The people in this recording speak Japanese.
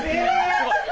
すごい！